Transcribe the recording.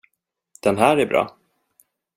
Den här är bra.